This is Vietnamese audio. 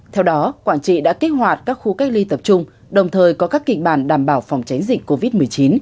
theo đó quảng trị đã kích hoạt các khu cách ly tập trung đồng thời có các kịch bản đảm bảo phòng tránh dịch covid một mươi chín